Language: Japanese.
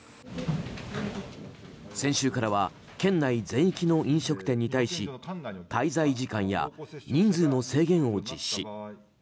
先週からは県内全域の飲食店に対し滞在時間や人数の制限を実施。